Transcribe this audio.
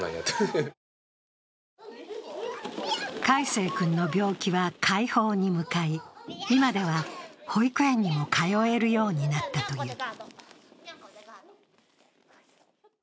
櫂成君の病気は快方に向かい今では、保育園にも通えるようになったという。